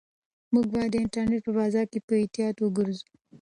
موږ باید د انټرنيټ په فضا کې په احتیاط وګرځو.